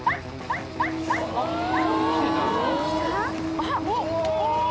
あっ。